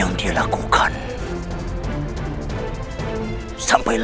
jangan teman teman mengungkap transitir karena rencana yoube